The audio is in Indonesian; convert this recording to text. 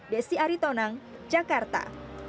desi aritonang jakarta